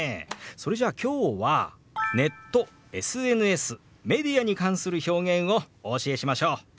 それじゃあ今日はネット・ＳＮＳ・メディアに関する表現をお教えしましょう！